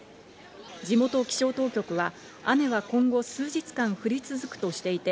地元気象当局は雨は今後、数日間降り続くとしていて